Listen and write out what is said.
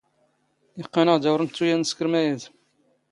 ⵉⵇⵇⴰⵏ ⴰⵖ ⴷ ⴰⴷ ⵓⵔ ⵏⵜⵜⵓ ⴰⴷ ⵏⵙⴽⵔ ⵎⴰⵢⴰⴷ.